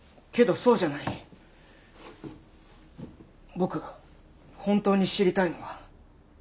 僕が本当に知りたいのは。